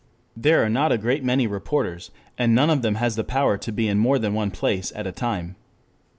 There are not a great many reporters. And none of them has the power to be in more than one place at a time.